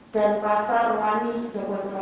dan tempat ibadah pani jogoswapoyo